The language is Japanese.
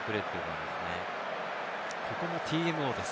ここもＴＭＯです。